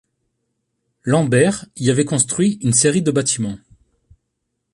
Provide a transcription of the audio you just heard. Lambert y avait construit une série de bâtiments.